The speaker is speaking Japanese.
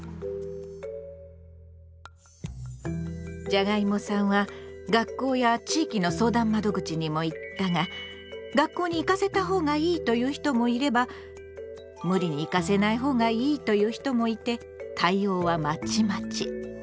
じゃがいもさんは学校や地域の相談窓口にも行ったが「学校に行かせたほうがいい」と言う人もいれば「ムリに行かせないほうがいい」と言う人もいて対応はまちまち。